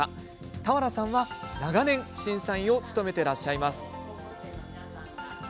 俵さんは長年、審査員を務めていらっしゃいます。